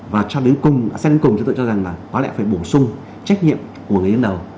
và cho đến cùng chúng tôi cho rằng là có lẽ phải bổ sung trách nhiệm của người đến đầu